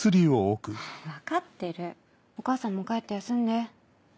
分かってるお母さんも帰って休んで。